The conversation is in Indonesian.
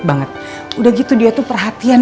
banget udah gitu dia tuh perhatian